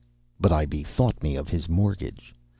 But I bethought me of his mortgage.